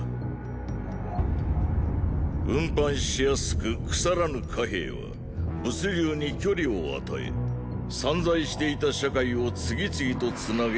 運搬しやすく腐らぬ貨幣は物流に“距離”を与え散在していた社会を次々とつなげ広げていった。